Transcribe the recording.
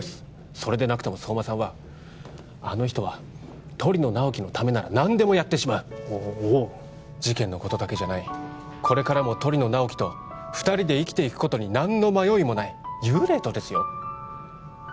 それでなくても相馬さんはあの人は鳥野直木のためなら何でもやってしまうおっおう事件のことだけじゃないこれからも鳥野直木と二人で生きていくことに何の迷いもない幽霊とですよ